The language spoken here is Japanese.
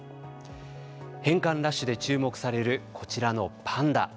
返還ラッシュで注目されるこちらのパンダ。